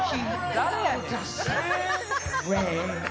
誰やねん！